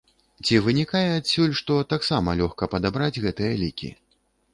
Ці вынікае адсюль, што таксама лёгка падабраць гэтыя лікі?